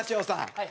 はい。